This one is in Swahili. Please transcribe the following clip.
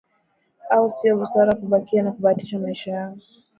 au siyo busara kubakia na kubahatisha maisha yao